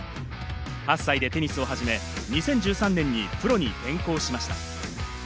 ８歳でテニスを始め、２０１３年にプロに転向しました。